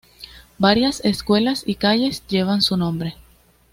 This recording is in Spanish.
Varias escuelas y calles llevan su nombre.